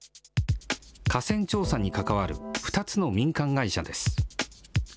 河川調査に関わる、２つの民間会社です。